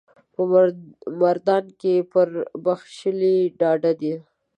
په مردان کې پر بخشالي ډاډه ده.